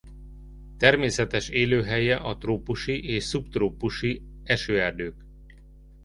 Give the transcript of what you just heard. Természetes élőhelye a trópusi és szubtrópusi esőerdők.